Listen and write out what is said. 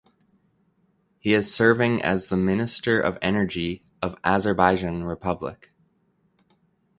He is serving as the Minister of Energy of Azerbaijan Republic.